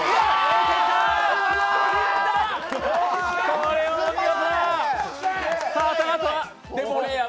これはお見事！